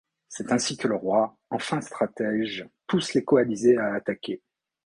C’est ainsi que le roi, en fin stratège, pousse les coalisés à attaquer.